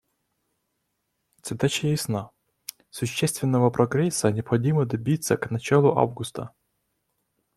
Задача ясна: существенного прогресса необходимо добиться к началу августа.